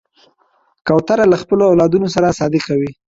کوتره له خپلو اولادونو سره صادقه ده.